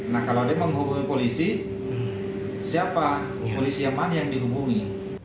nah kalau dia menghubungi polisi siapa polisi yang mana yang dihubungi